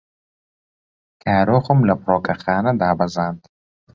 کارۆخم لە فڕۆکەخانە دابەزاند.